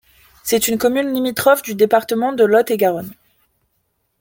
C'est une commune limitrophe du département de Lot-et-Garonne.